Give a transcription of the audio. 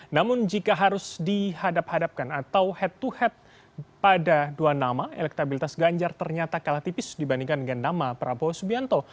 namun jika harus dihadap hadapkan atau head to head pada dua nama elektabilitas ganjar ternyata kalah tipis dibandingkan dengan nama prabowo subianto